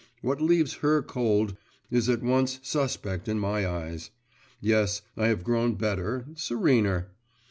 What leaves her cold is at once suspect in my eyes. Yes, I have grown better, serener.